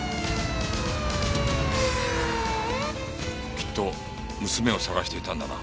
きっと娘を捜していたんだな。